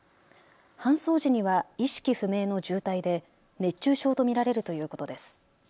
搬送時には意識不明の重体で熱中症と見られるということです。